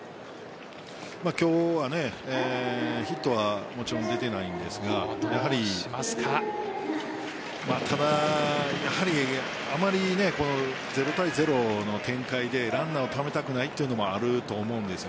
今日はヒットはもちろん出ていないんですがただ、やはりあまり０対０の展開でランナーをためたくないのもあると思うんです。